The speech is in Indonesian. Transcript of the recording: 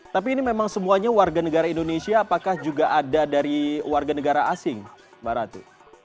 tapi ini memang semuanya warga negara indonesia apakah juga ada dari warga negara asing mbak ratu